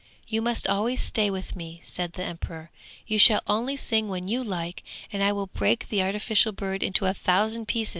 'You must always stay with me!' said the emperor. 'You shall only sing when you like, and I will break the artificial bird into a thousand pieces!'